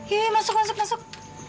yuk masuk masuk masuk